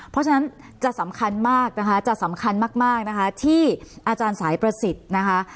เพราะฉะนั้นจะสำคัญมากนะคะจะสำคัญมากนะคะที่อาจารย์สายประสิทธิ์นะคะ